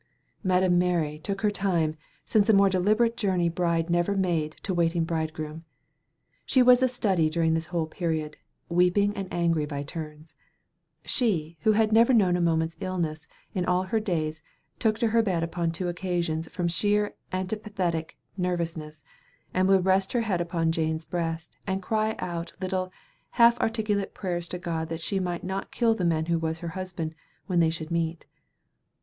Madame Mary took her time, since a more deliberate journey bride never made to waiting bride groom. She was a study during this whole period weeping and angry by turns. She, who had never known a moment's illness in all her days, took to her bed upon two occasions from sheer antipathetic nervousness, and would rest her head upon Jane's breast and cry out little, half articulate prayers to God that she might not kill the man who was her husband, when they should meet.